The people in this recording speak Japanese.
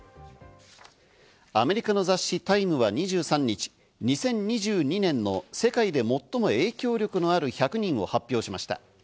アメリカの雑誌『ＴＩＭＥ』は２３日、２０２２年の世界で最も影響力のある１００人を発表しました。